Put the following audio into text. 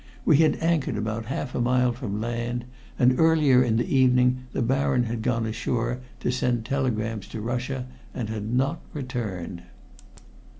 We had anchored about half a mile from land, and earlier in the evening the Baron had gone ashore to send telegrams to Russia, and had not returned.